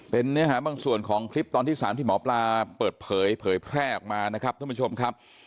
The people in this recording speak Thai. เป็นเนื้อหาบางส่วนของคลิปตอนที่๓ที่หมอปลาเปิดเผยเผยแพร่ออกมานะครับท่านผู้ชมครับ